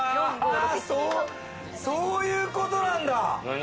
そういうことなんだ。